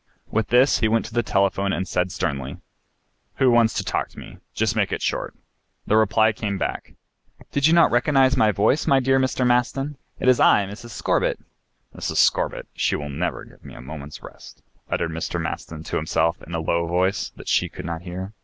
With this he went to the telephone and said sternly: "Who wants to talk to me? Just make it short." The reply came back: "Did you not recognize my voice, my dear Mr. Maston? It is I, Mrs. Scorbitt." "Mrs. Scorbitt! She will never give me a moment's rest," uttered Mr. Maston to himself in a low voice that she could not hear.